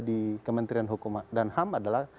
di kementerian hukum dan ham adalah